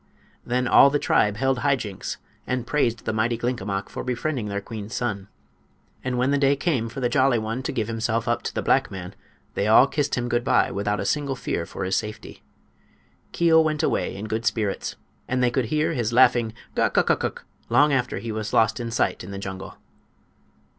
Then all the tribe held high jinks and praised the mighty Glinkomok for befriending their queen's son. And when the day came for the Jolly One to give himself up to the black man they all kissed him good by without a single fear for his safety. Keo went away in good spirits, and they could hear his laughing "guk uk uk uk!" long after he was lost in sight in the jungle.